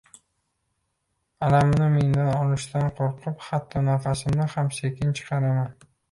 Alamini mendan olishidan qoʻrqib, hatto nafasimni ham sekin chiqaraman